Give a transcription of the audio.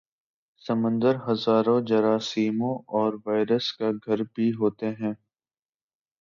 سمندر ہزاروں جراثیموں اور وائرس کا گھر بھی ہوتے ہیں